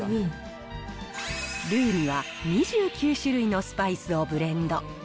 ルーには２９種類のスパイスをブレンド。